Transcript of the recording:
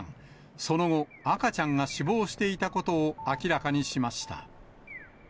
その後、赤ちゃんが死亡していたことを明らかにしました。